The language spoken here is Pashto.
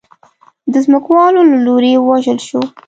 د ځمکوالو له لوري ووژل شو.